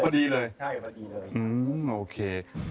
พอดีเลยโอเค